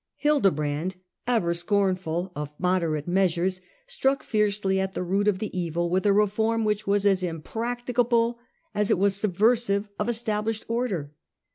Hildebrand, ever scornful of moderate measures, struck fiercely at the root of the evil with a reform which was as impracticable as it was subversive of established order.